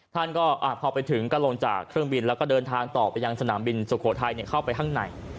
ท่านก็พอไปถึงก็ลงจากเครื่องบินแล้วก็เดินทางต่อไปยังสนามบินสุโขทัยเข้าไปข้างใน